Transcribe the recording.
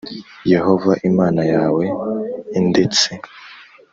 Yehova Imana yawe i ndetse